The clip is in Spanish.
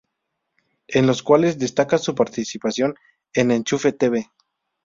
En los cuales destaca su participación en Enchufe.tv